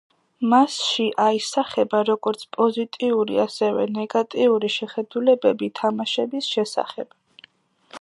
მასში აისახება, როგორც პოზიტიური, ასევე ნეგატიური შეხედულებები თამაშების შესახებ.